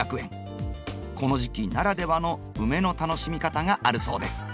この時期ならではのウメの楽しみ方があるそうです。